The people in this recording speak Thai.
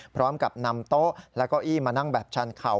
พร้อมกับนำโต๊ะและเก้าอี้มานั่งแบบชันเข่า